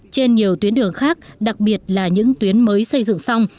trên nhiều tuyến đường khác đặc biệt là những tuyến mới xây dựng xong